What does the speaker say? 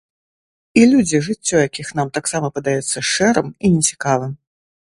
І людзі, жыццё якіх нам таксама падаецца шэрым і нецікавым.